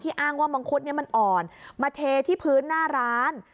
อ้างว่ามังคุดมันอ่อนมาเทที่พื้นหน้าร้าน